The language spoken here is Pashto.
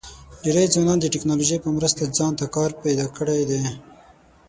ډېری ځوانانو د ټیکنالوژۍ په مرسته ځان ته کار پیدا کړی دی.